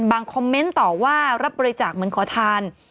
คอมเมนต์ต่อว่ารับบริจาคเหมือนขอทาน